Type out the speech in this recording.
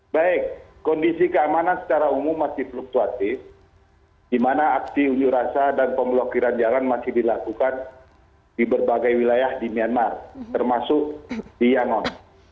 baik kondisi keamanan secara umum masih fluktuatif di mana aksi unjuk rasa dan pemblokiran jalan masih dilakukan di berbagai wilayah di myanmar termasuk di yangon